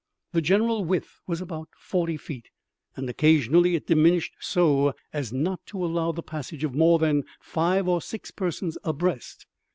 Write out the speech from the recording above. The general width was about forty feet, and occasionally it diminished so as not to allow the passage of more than five or six persons abreast.